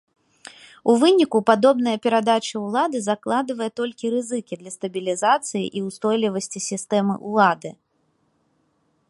У выніку, падобная перадачы ўлады закладывае толькі рызыкі для стабілізацыі і ўстойлівасці сістэмы ўлады.